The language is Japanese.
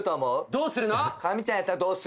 どうする？